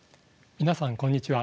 皆さんこんにちは。